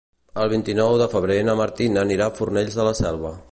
El vint-i-nou de febrer na Martina anirà a Fornells de la Selva.